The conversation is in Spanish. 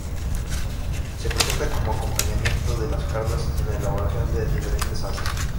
Se presenta como acompañamiento de las carnes en la elaboración de diferentes salsas.